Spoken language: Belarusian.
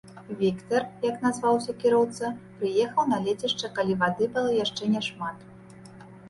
Віктар, як назваўся кіроўца, прыехаў на лецішча, калі вады было яшчэ няшмат.